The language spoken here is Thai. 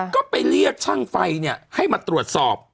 ก็ไปรีกช่างไฟเนี่ยให้มาตรวจสอบ